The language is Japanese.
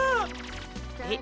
えっ？